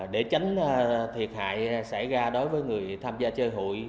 để tránh thiệt hại xảy ra đối với người tham gia chơi hụi